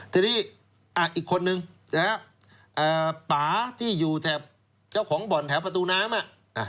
ทีนี้อีกคนนึงนะฮะป่าที่อยู่แถบเจ้าของบ่อนแถวประตูน้ำอ่ะ